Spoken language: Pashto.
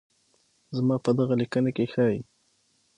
زما په دغه ليکنه کې ښايي